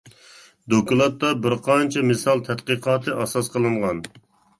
دوكلاتتا بىر قانچە مىسال تەتقىقاتى ئاساس قىلىنغان.